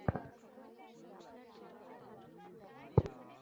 কিছুনা, আমি সকালে ছোট্ট একটা বোকামি করে ফেলেছি উপস্থাপনা চলাকালীন সময়ে।